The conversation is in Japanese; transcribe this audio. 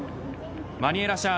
マニュエラ・シャー